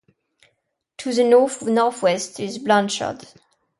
To the north-northwest is Blanchard.